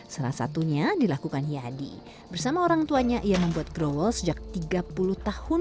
salah satunya dilakukan yadi bersama orang tuanya ia membuat growol sejak tiga puluh tahun